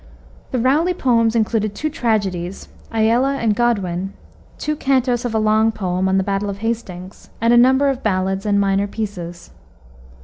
The Rowley poems included two tragedies, Aella and Goddwyn, two cantos of a long poem on the Battle of Hastings, and a number of ballads and minor pieces.